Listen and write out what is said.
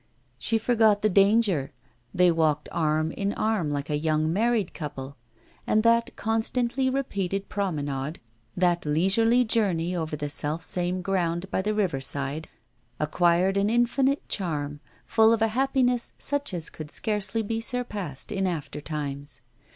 She forgot the danger; they walked arm in arm like a young married couple; and that constantly repeated promenade, that leisurely journey over the self same ground by the river side, acquired an infinite charm, full of a happiness such as could scarcely be surpassed in after times.